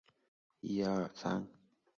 万历四十四年丙辰科进士。